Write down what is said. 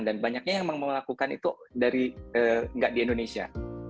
dan banyaknya yang mau melakukan itu dari nggak di indonesia